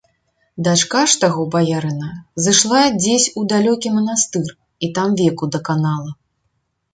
Дачка ж таго баярына зышла дзесь у далёкі манастыр і там веку даканала.